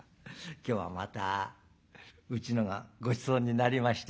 今日はまたうちのがごちそうになりまして」。